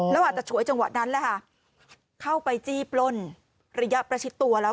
แล้วอาจจะถ่วยจังหวัดนั้นเข้าไปจีบร่วนระยะประชิตตัวแล้ว